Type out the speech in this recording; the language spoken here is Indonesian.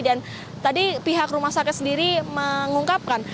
dan tadi pihak rumah sakit sendiri mengungkapkan